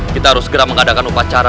kita harus segera mengadakan upacara